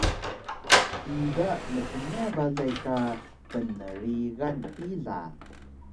ida mtna balay ka bnrigan pila